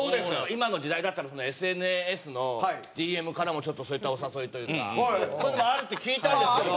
今の時代だったらＳＮＳのＤＭからもちょっとそういったお誘いというかそういうのもあるって聞いたんですけど。